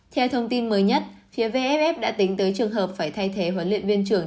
theo thông tin mới nhất phía vff đã tính tới trường hợp phải thay thế huấn luyện viên trưởng